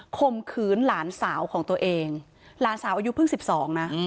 คมขืนหลานสาวของตัวเองหลานสาวอายุพึ่งสิบสองนะ